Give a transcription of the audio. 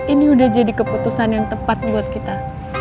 ini udah jadi keputusan yang tepat buat kita